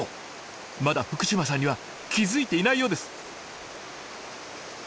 まだ福島さんには気付いていないようです。